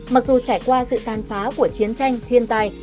mặc dù trải qua sự tàn phá của chiến tranh thiên tài